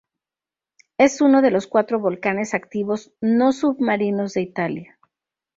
Es uno de los cuatro volcanes activos no submarinos de Italia.